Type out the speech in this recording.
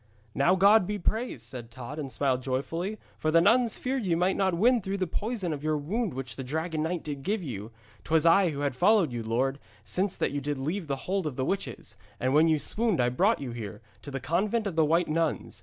'Now God be praised,' said Tod, and smiled joyfully. 'For the nuns feared ye might not win through the poison of your wound which the dragon knight did give you. 'Twas I who had followed you, lord, since that you did leave the hold of the witches, and when you swooned I brought you here, to the convent of the White Nuns.